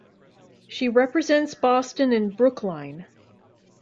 She represents Boston and Brookline.